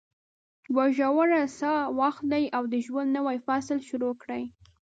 یوه ژوره ساه واخلئ او د ژوند نوی فصل شروع کړئ.